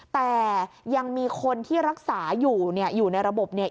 แต่ยังมีคนที่รักษาอยู่เนี่ยอยู่ในระบบเนี่ย